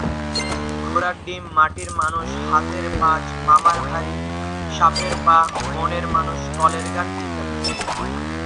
ঘোড়ার ডিম, মাটির মানুষ, হাতের পাঁচ, মামার বাড়ি, সাপের পা, মনের মানুষ, কলের গান ইত্যাদি।